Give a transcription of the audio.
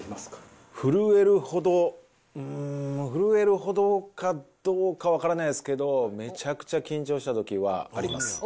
うーん、震えるほどかどうか分からないですけど、めちゃくちゃ緊張したときはあります。